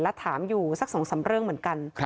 และถามอยู่สัก๒๓เรื่องเหมือนกัน